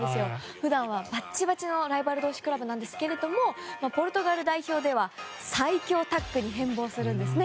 普段はバチバチのライバルチーム同士なんですがポルトガルでは最強タッグに変貌するんですね。